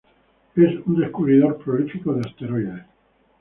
Es un descubridor prolífico de asteroides.